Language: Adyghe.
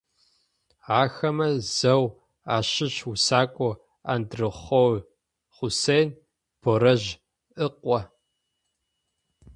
Ахэмэ зэу ащыщ усакӏоу Андрыхъое Хъусен Борэжъ ыкъо.